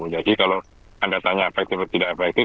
jadi kalau anda tanya efektif atau tidak efektif